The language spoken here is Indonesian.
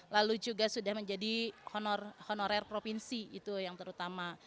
lalu juga sudah menjadi honorer provinsi itu yang terutama